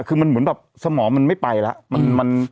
คือมันเหมือนแบบสมองมันไม่ไปแล้ว